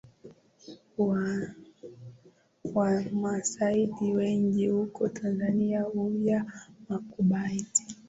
Wamasai wengi huko Tanzania huvaa makubadhi